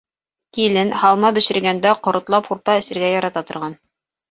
Килен, һалма бешергәндә, ҡоротлап һурпа эсергә ярата торған.